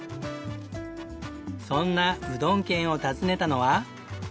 そんなうどん県を訪ねたのは。